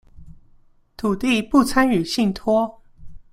土地不參與信託